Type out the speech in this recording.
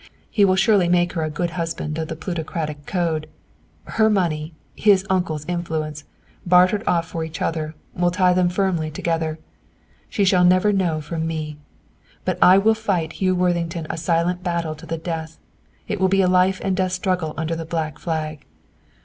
He will surely make her a "good husband" of the plutocratic code. Her money, his uncle's influence, bartered off for each other, will tie them firmly together. She shall never know from me. But I will fight Hugh Worthington a silent battle to the death. It will be a life and death struggle under the Black Flag."